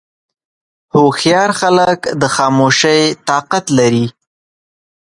هوښیار خلک د خاموشۍ طاقت لري.